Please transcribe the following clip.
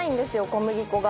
小麦粉が。